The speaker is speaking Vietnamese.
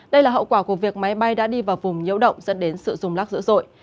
đây là hậu quả của việc máy bay đã đi vào vùng nhẫu động dẫn đến sự rung lắc dữ dội